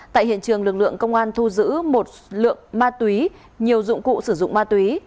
tại hiện trường lực lượng công an thu giữ một lượng ma túy nhiều dụng cụ sử dụng ma túy